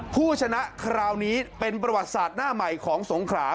ผู้ชนะคราวนี้เป็นประวัติศาสตร์หน้าใหม่ของสงขรา